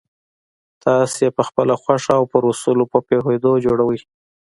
تاسې یې پخپله خوښه او پر اصولو په پوهېدو جوړوئ